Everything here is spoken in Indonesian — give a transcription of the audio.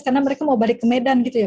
karena mereka mau balik ke medan gitu ya bu